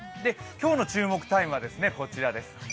今日の注目タイムはこちらです。